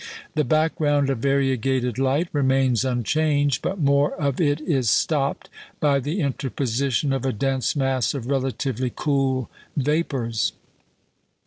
The background of variegated light remains unchanged, but more of it is stopped by the interposition of a dense mass of relatively cool vapours.